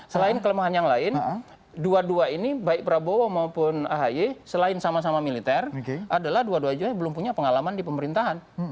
selain kelemahan yang lain dua dua ini baik prabowo maupun ahy selain sama sama militer adalah dua duanya belum punya pengalaman di pemerintahan